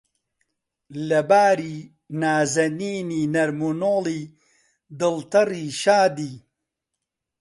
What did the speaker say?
لەباری، نازەنینی، نەرم و نۆڵی، دڵتەڕی، شادی